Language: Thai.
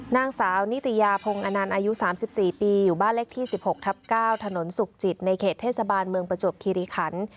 นางสาวนิตยาพงศ์อนันต์อายุ๓๔ปีอยู่บ้านเลขที่๑๖ทับ๙ถนนสุขจิตในเขตเทศบาลเมืองประจวบคิริขัน